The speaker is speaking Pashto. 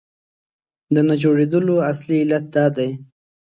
د نه جوړېدلو اصلي علت دا دی.